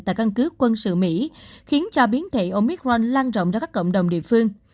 tại căn cứ quân sự mỹ khiến cho biến thể omicron lan rộng ra các cộng đồng địa phương